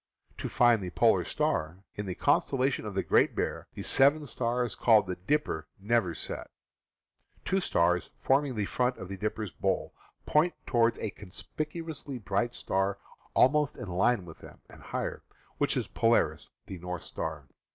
To find the pole star: In the constellation of the Great Bear, the seven stars called the "Dipper" never set. The two stars forming the front of the dipper's bowl point toward a conspicuously bright star almost in line with them, and higher, which is Polaris, the north star.